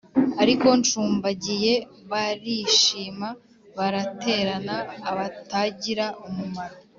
Ariko ncumbagiye barishima baraterana, abatagira umumaro